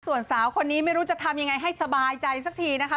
ส่วนสาวคนนี้ไม่รู้จะทำยังไงให้สบายใจสักทีนะคะ